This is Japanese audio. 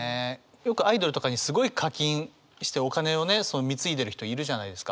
よくアイドルとかにすごい課金してお金を貢いでる人いるじゃないですか。